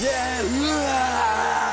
うわ！